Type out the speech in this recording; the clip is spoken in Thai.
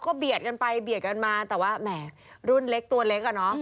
ก็เบียดกันไปเบียดกันมาแต่ว่าแหมรุ่นเล็กตัวเล็กอ่ะเนอะ